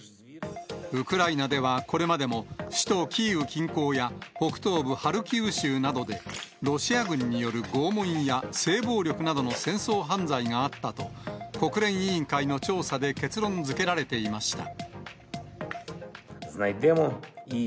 ウクライナではこれまでも、首都キーウ近郊や、北東部ハルキウ州などで、ロシア軍による拷問や性暴力などの戦争犯罪があったと、国連委員会の調査で結論づけられていました。